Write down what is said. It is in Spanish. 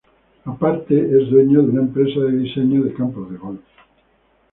Aparte, es dueño de una empresa de diseño de campos de golf.